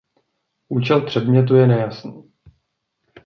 Účel předmětu je nejasný.